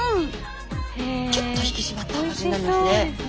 キュッと引き締まったお味になりますね。